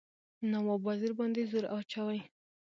نواب وزیر باندي زور واچوي.